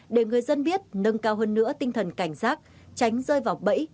để người dân biết nâng cao hơn nữa tinh thần cảnh giác tránh rơi vào bẫy